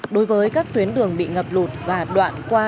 đối với các tuyến đường bị ngập lụt và đoạn qua